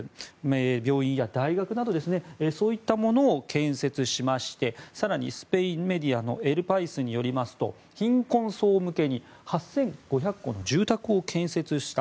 病院や大学などですがそういったものを建設しまして更に、スペインメディアのエル・パイスによりますと貧困層向けに８５００戸の住宅を建設した。